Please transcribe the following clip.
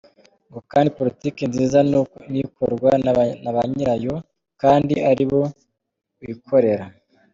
Ngo kandi politiki nziza ni ikorwa na ba nyirayo kandi ari bo bikorera.